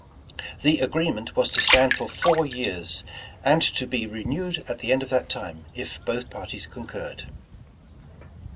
The agreement was to stand for four years, and to be renewed at the end of that time, if both parties concurred.